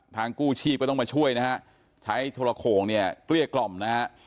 กู้ชีพก็ต้องมาช่วยนะฮะใช้โทรโขงเนี่ยเกลี้ยกล่อมนะฮะ